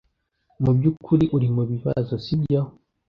Mubyukuri uri mubibazo, sibyo?